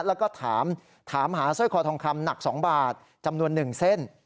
แล้วก็ถามหาสร้อยคอทองคำหนัก๒บาทจำนวน๑เส้น